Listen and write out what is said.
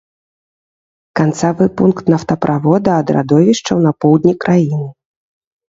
Канцавы пункт нафтаправода ад радовішчаў на поўдні краіны.